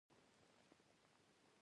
ستړي ستړي ترې راښکته شولو.